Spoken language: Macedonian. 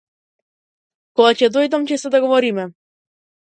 Кога ќе дојдам ќе се договориме.